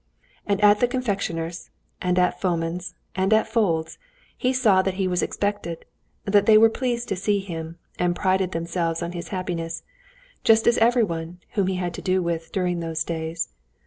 And at the confectioner's, and at Fomin's, and at Foulde's he saw that he was expected; that they were pleased to see him, and prided themselves on his happiness, just as everyone whom he had to do with during those days.